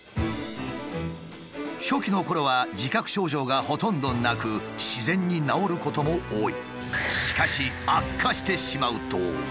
初期のころは自覚症状がほとんどなく自然に治ることも多い。